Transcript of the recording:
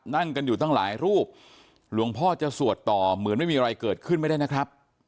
นั่งกันอยู่ตั้งหลายรูปหลวงพ่อจะสวดต่อเหมือนไม่มีอะไรเกิดขึ้นไม่ได้นะครับ